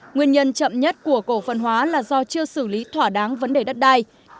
nguyên nhân chậm nhất của cổ phần hóa là do chưa xử lý thỏa đáng vấn đề đất đai